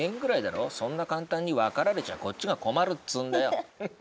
そんな簡単に分かられちゃこっちが困るっつうんだよ。